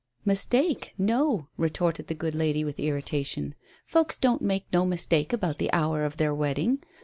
"Mistake? No," retorted the good lady with irritation. "Folks don't make no mistake about the hour of their wedding.